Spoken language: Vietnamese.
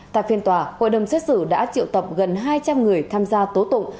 tại phiên tòa hội đồng xét xử đã triệu tập gần hai trăm linh người tham gia tố tụng